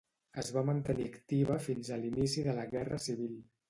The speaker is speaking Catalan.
Es va mantenir activa fins a l'inici de la Guerra Civil.